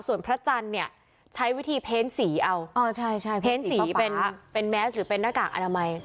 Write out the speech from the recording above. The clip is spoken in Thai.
ส่วนพระจันทร์เนี่ยใช้วิธีเพ้นสีเอาอ๋อใช่ใช่เพ้นสีเป็นเป็นเป็นหน้ากากอนามัย